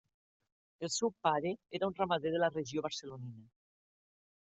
El seu pare era un ramader de la regió barcelonina.